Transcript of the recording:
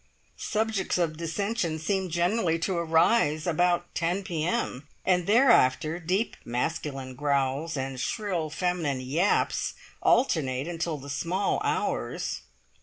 Subjects of dissension seem generally to arise about 10 p.m., and thereafter deep masculine growls and shrill feminine yaps alternate until the small hours.